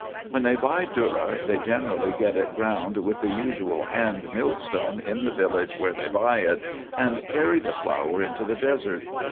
When they buy dhourra they generally get it ground with the usual hand millstone in the village where they buy it, and carry the flour into the desert.